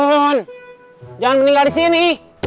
jangan meninggal disini